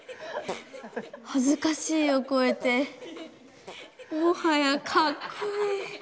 はずかしいをこえてもはやかっこいい。